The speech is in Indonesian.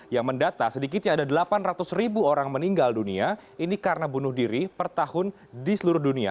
yang mendata sedikitnya ada delapan ratus ribu orang meninggal dunia ini karena bunuh diri per tahun di seluruh dunia